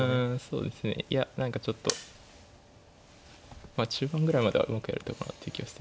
そうですねいや何かちょっと中盤ぐらいまではうまくやれたかなって気はしてたので。